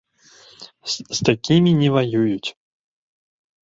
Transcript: З такімі не ваююць.